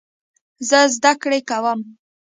زه زده کړې کوم.